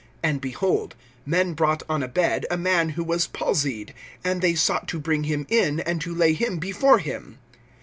(18)And, behold, men brought on a bed a man who was palsied; and they sought to bring him in, and to lay him before him.